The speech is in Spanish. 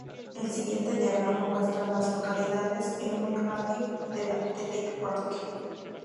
El siguiente diagrama muestra a las localidades en un radio de de Lake Park.